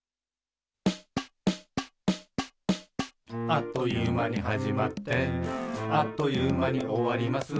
「あっという間にはじまってあっという間におわります」